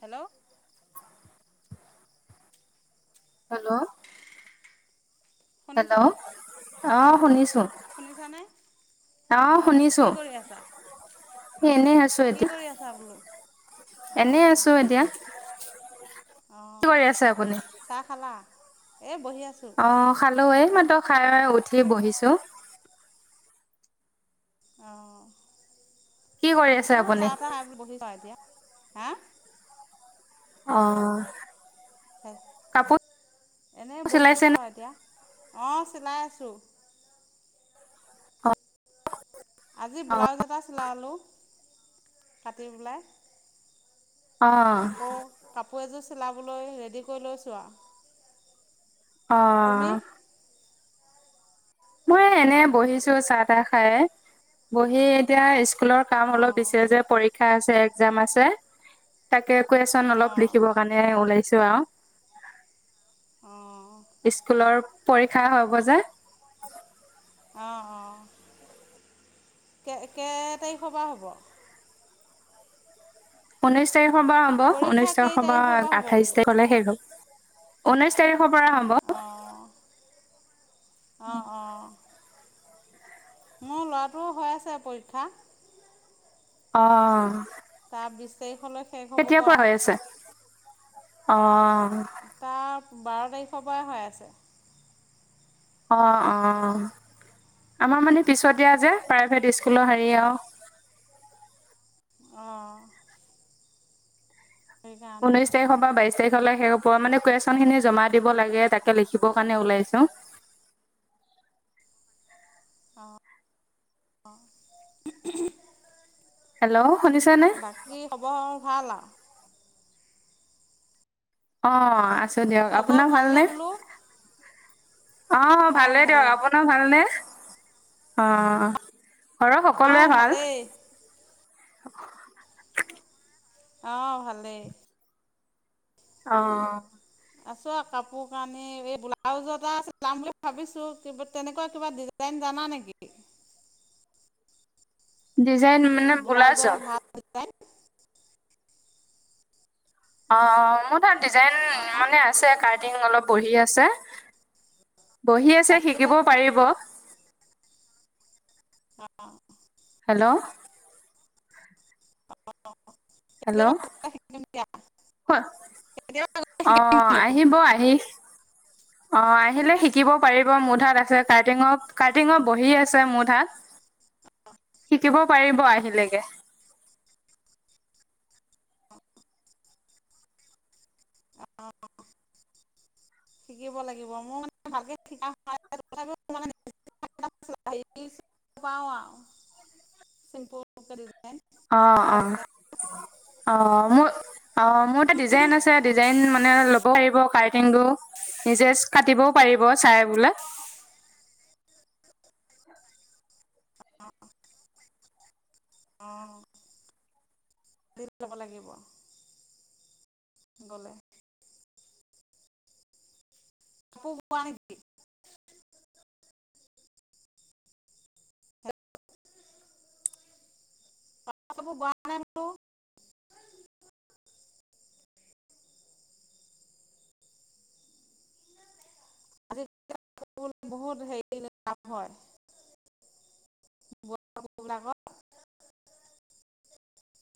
Hello. Hello. শুনিছা hello, অহ শুনিছোঁ। শুনিছানে, অহ শুনিছো কি কৰি আছা? এনেই আছো কি এতিয়া কৰি আছা বোলো, এনে অহ? আছো এতিয়া কি অহ, কৰি আছে আপুনি চাহ খালা? এই বহি আছোঁ। অহ, খালো। এই মাত্ৰ খাই উঠি বহিছো। অহ, কি কৰি আছে অহ আপুনি চাহ তাহ খাই বুলি বহিছো এতিয়া। হা? অহ। হে এনেই বহি চিলাইছে আছোঁ নে আৰু এতিয়া। অহ, চিলাই আছোঁ। হয়। আজি ব্লাউজ এটা চিলালোঁ কাটি পেলাই। অ আকৌ কাপোৰ এযোৰ চিলাবলৈ ৰেডি কৰি লৈছোঁ আৰু। তুমি অহ। মই এনে বহিছো চাহ তাহ খাই, বহি এতিয়া ৰেষ্ট- স্কুলৰ কাম অলপ অঁ দিছে যে পৰীক্ষা আছে, এক্সাম আছে, তাকে কুৱেশ্যন অলপ অঁ লিখিব- মানে ওলাইছো আৰু। অঁ। স্কুলৰ পৰীক্ষা হ'ব যে। অহ, অহ। কে কেই তাৰিখৰ পৰা হ'ব? ঊনৈশ তাৰিখৰ পৰা হ'ব। পৰীক্ষা ঊনৈশ কেই তাৰিখৰ পৰা হ'ব আঠাইছ বোলো তাৰিখ লে শেষ হ'ল। ঊনৈছ- অঁ, অঁ, অঁ। মোৰ ল'ৰাটোৰো হৈ আছে পৰীক্ষা। অহ। তাৰ বিছ তাৰিখলৈ। শেষ হ'ব আৰু কেতিয়াৰ পৰা হৈ আছে? অহ। তাৰ বাৰ তাৰিখৰ পৰাই হৈ আছে। অ', অ', আমাৰ মানে পিছত দিয়া যে প্ৰাইভেট স্কুলৰ হেৰি আৰু। অ'। সেইকাৰণে ঊনৈশ তাৰিখৰ পৰা বাইশ বাইশ তাৰিখলে শেষ হ'ব মানে কুৱেশ্যন খিনি জমা দিব লাগে তাকে লিখিবৰ কাৰণে ওলাইছো। অ', অ'। হেল্ল' শুনিছা নে? কি খবৰ ভাল আৰু। অ', আছো দিয়ক, খবৰ আপোনাৰ ভালনে? বোলো অ' ভালেই দিয়ক আপো নাৰ ভাল নে অ', ঘৰ অঁ সকলোৰে ভাল। ভালেই অ', ভালেই। অ', অ'। আছো আৰু কাপোৰ কানি এই ব্লাউজ এটা চিলাম বুলি ভাবিছো কিবা তেনেকুৱা কিবা ডি ডিজাইন জানা নেকি? ডিজাইন মানে ব্লাউজৰ? ভাল ডিজাইন অ', মোৰ তাত ডিজাইন অঁ মানে আছে কাৰটিং অলপ বহি আছে। বহি আছে শিকিবও আজিকালি পাৰিব। অ'। হেল্ল'? হেল্ল' অ', [unintelligible] অ', আহিব আহি [inaudible] অ', শুনি আহিলে আছো। শিকিব পাৰিব মোৰ তাত আছে কাৰ্তিঙৰ কাৰ্তিঙৰ বহি আছে মোৰ তাত। [inaudible] শিকিব পাৰিব আহিলেগে। অঁ, শিকিব লাগিব মোৰ মানে ভালকে শিকা [unintelligible] [unintelligible] পাওঁ আৰু। [unintelligible] অ', ভাল অ', অ', মোৰ অ', মোৰ এ তাত ডিজাইন আছে। ডিজাইন মানে ল'ব পাৰিব কাৰ্টিংটো নিজে কাটিবও পাৰিব চাই বোলে। অ', [unintelligible] ল'ব লাগিব। গ'লে। [unintelligible] [unintelligible] [unintelligible] বোৱা কাপোৰবিলাকৰ